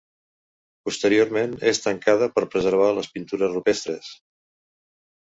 Posteriorment és tancada per preservar les pintures rupestres.